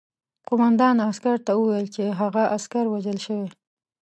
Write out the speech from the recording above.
قوماندان عسکر ته وویل چې هغه عسکر وژل شوی